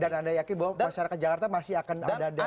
dan anda yakin bahwa masyarakat jakarta masih akan ada di situ